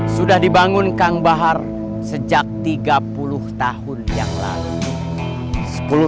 sudah dibangun kang bahar sejak tiga puluh tahun yang lalu